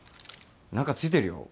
なんかついてるよ。